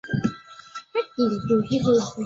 在场上的位置是中后卫。